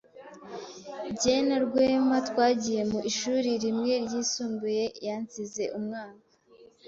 Jye na Rwema twagiye mu ishuri rimwe ryisumbuye. Yansize umwaka.